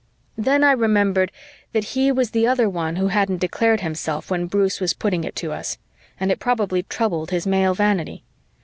Then I remembered that he was the other one who hadn't declared himself when Bruce was putting it to us, and it probably troubled his male vanity.